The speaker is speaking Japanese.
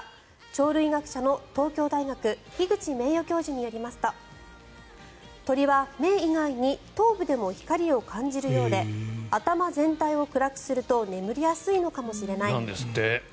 鳥類学者の東京大学樋口名誉教授によりますと鳥は目以外に頭部でも光を感じるようで頭全体を暗くすると眠りやすいのかもしれない。